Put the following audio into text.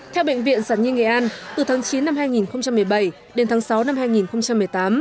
theo bệnh viện sản nhi nghệ an từ tháng chín năm hai nghìn một mươi bảy đến tháng sáu năm hai nghìn một mươi tám